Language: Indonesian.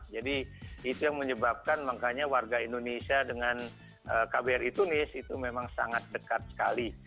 jadi itu yang menyebabkan makanya warga indonesia dengan kbri tunis itu memang sangat dekat sekali